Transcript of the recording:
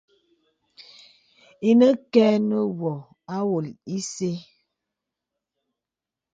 Ìnə kɛ nə wɔ̀ awɔlə ìsɛ.